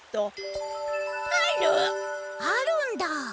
あるんだ！